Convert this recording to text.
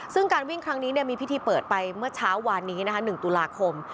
ซึ่งการวิ่งครั้งนี้มีพิธีเปิดไปเมื่อเช้าวานนี้นะคะ๑ตุลาคม